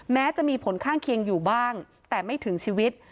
แม้จะมีผลข้างเคียงอยู่บ้างแต่ไม่ถึงชีวิต